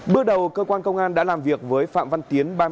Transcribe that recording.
bước đầu cơ quan công an đã làm việc với phạm văn tiến